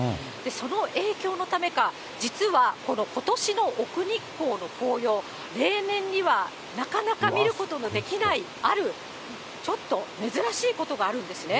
その影響のためか、実はことしの奥日光の紅葉、例年にはなかなか見ることのできないある、ちょっと珍しいことがあるんですね。